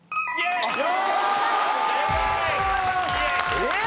えっ！？